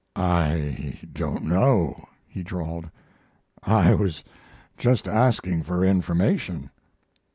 "I don't know," he drawled. "I was just asking for information."